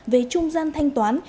về trung gian thanh toán